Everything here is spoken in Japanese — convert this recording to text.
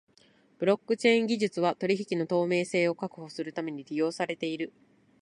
ブロックチェーン技術は取引の透明性を確保するために利用されている。